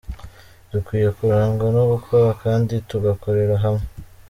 Dukwiye kurangwa no gukora kandi tugakorera hamwe.